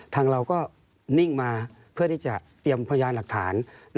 ทางเราก็นิ่งมาเพื่อที่จะเตรียมพยานหลักฐาน